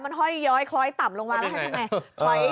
มันคล้อยย้อยคล้อยต่ำลงมาแล้วทำยังไง